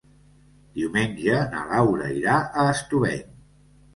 Diumenge na Laura irà a Estubeny.